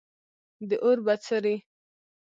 د اور بڅری